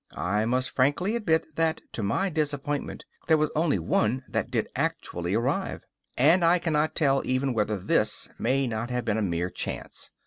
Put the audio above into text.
I must frankly admit that, to my disappointment, there was only one that did actually arrive. And I cannot tell even whether this may not have been a mere chance.